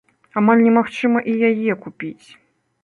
Амаль немагчыма і яе купіць.